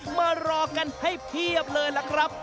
มารอกันให้เพียบเลยล่ะครับ